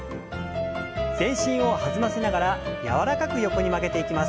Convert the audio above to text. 全身を弾ませながら柔らかく横に曲げていきます。